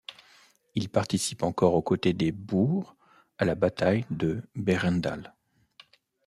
Il participe encore au côté des Boers à la bataille de Bergendal.